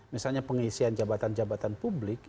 misalnya pengisian jabatan jabatan publik